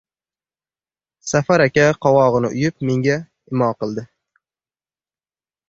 Safar aka qovog‘ini uyib menga imo qildi.